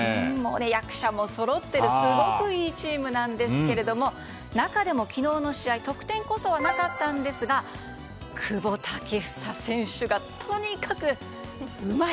役者もそろってすごくいいチームなんですが中でも昨日の試合得点こそはなかったんですが久保建英選手がとにかくうまい！